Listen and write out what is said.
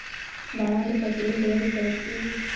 • باران د فصلونو د ودې سبب کېږي.